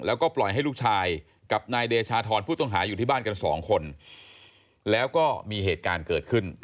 แล้วก็ปล่อยให้ลูกชายกับนายเดชาธรผู้ต้องหาอยู่ที่บ้านกันสองคนแล้วก็มีเหตุการณ์เกิดขึ้น